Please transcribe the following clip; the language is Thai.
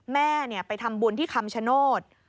แม่ไปทำบุญที่คำชโนธ